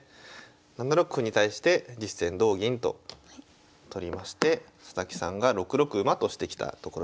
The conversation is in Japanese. ７六歩に対して実戦同銀と取りまして佐々木さんが６六馬としてきたところです。